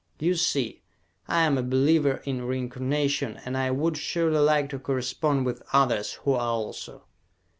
You see, I am a believer in reincarnation and I would surely like to correspond with others who are also!